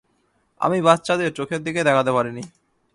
আমি বাচ্চাদের চোখের দিকে তাকাতে পারিনি।